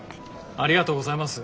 ありがとうございます。